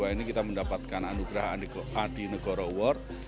dua ribu dua puluh dua ini kita mendapatkan anugerah di negoro award